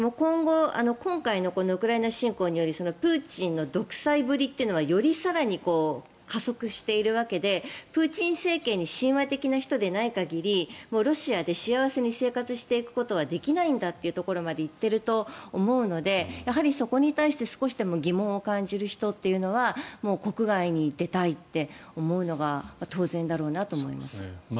今回のウクライナ侵攻によりプーチンの独裁ぶりというのはより更に加速しているわけでプーチン政権に親和的な人でない限りロシアで幸せに生活していくことはできないんだというところまで行っていると思うのでそこに対して少しでも疑問を感じる人は国外に出たいって思うのが当然だろうなと思います。